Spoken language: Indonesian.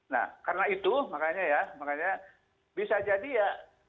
nah karena itu makanya ya makanya bisa jadi ya